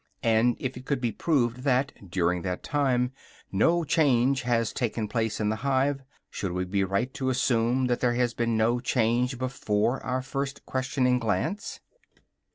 And if it could be proved that, during that time, no change has taken place in the hive, should we be right in assuming that there had been no change before our first questioning glance?